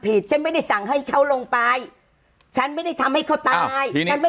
ฉันไม่ได้สั่งให้เขาลงไปฉันไม่ได้ทำให้เขาตายฉันไม่